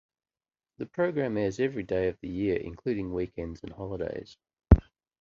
The program airs every day of the year, including weekends and holidays.